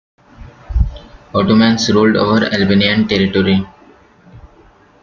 Ottomans ruled over Albanian territory.